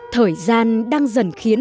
thời gian đang dần khiến